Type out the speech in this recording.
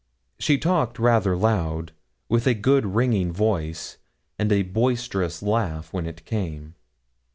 She talked rather loud, with a good ringing voice, and a boisterous laugh when it came.